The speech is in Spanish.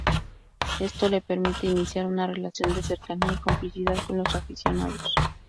Esto le permite iniciar una relación de cercanía y complicidad con los aficionados.